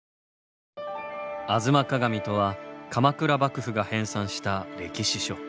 「吾妻鏡」とは鎌倉幕府が編纂した歴史書。